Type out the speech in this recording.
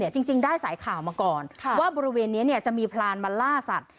จริงได้สายข่าวมาก่อนว่าบริเวณนี้จะมีพรานมาล่าสัตว